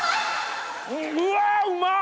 うわうまっ！